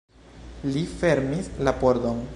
Li fermis la pordon.